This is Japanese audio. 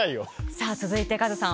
さぁ続いてカズさん